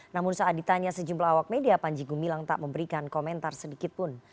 namun saat ditanya sejumlah awak media panji gumilang tak memberikan komentar sedikitpun